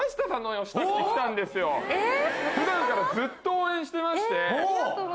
普段からずっと応援してまして。